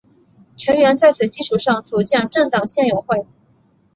成员在此基础上组建政党宪友会。